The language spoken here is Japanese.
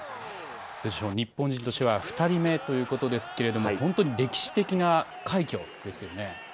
日本人としては２人目ということですが本当に歴史的な快挙ですよね。